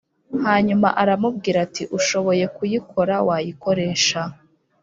hanyuma aramubwira ati ushoboye kuyikora wayikoresha